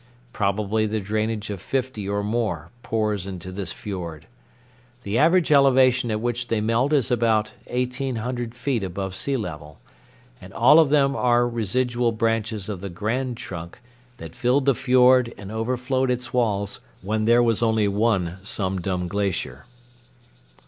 Probably the drainage of fifty or more pours into this fiord. The average elevation at which they melt is about eighteen hundred feet above sea level, and all of them are residual branches of the grand trunk that filled the fiord and overflowed its walls when there was only one Sum Dum glacier.